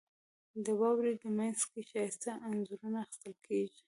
• د واورې مینځ کې ښایسته انځورونه اخیستل کېږي.